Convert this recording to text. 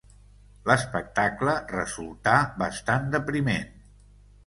L'espectacle resultà bastant depriment.